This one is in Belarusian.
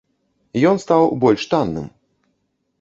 Ён стаў больш танным.